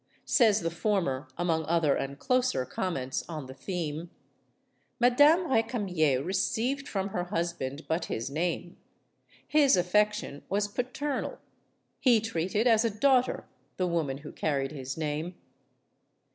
Says the former, among other and closer comments on the theme: "Madame Recamier received from her husband but his name. His affection was paternal. He treated as a daughter the woman who carried his name."